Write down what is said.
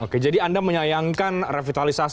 oke jadi anda menyayangkan revitalisasi